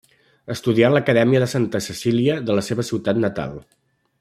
Estudià en l'Acadèmia de Santa Cecília de la seva ciutat natal.